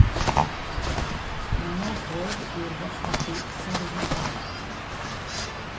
La mort rode, et elle va frapper, sans raison apparente.